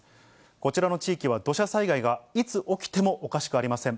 こちらの地域は土砂災害がいつ起きてもおかしくありません。